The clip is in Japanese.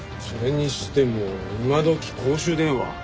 それにしても今どき公衆電話。